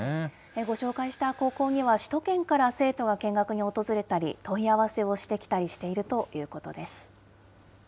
ご紹介した高校には、首都圏から生徒が見学に訪れたり、問い合わせをしてきたりしているということです。